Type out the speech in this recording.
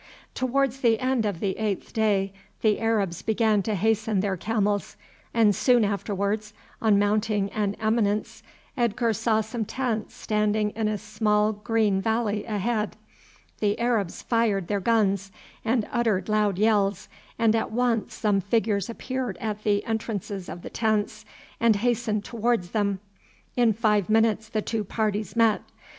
Towards the end of the eighth day the Arabs began to hasten their camels, and soon afterwards, on mounting an eminence, Edgar saw some tents standing in a small green valley ahead. The Arabs fired their guns and uttered loud yells, and at once some figures appeared at the entrances of the tents and hastened towards them. In five minutes the two parties met.